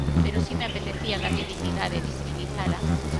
Pero si me apetecía darlle dignidade e visibilizala.